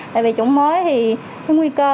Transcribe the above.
tại vì chủng mới thì có nguy cơ